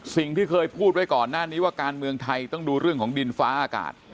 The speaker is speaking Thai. สิ่งที่เคยพูดไว้ก่อนหน้านี้ว่าการเมืองไทยต้องดูเรื่องของดินฟ้าอากาศ